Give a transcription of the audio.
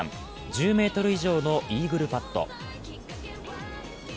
１０ｍ以上のイーグルパット。